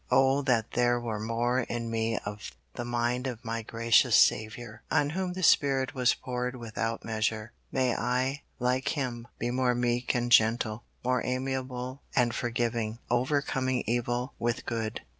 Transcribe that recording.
Oh that there were more in me of the mind of my gracious Saviour, on whom the Spirit was poured without measure. May I, like Him, be more meek and gentle, more amiable and forgiving, overcoming evil with good.